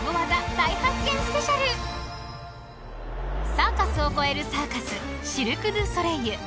［サーカスを超えるサーカスシルク・ドゥ・ソレイユ］